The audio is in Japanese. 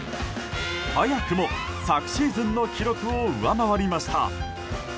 早くも昨シーズンの記録を上回りました。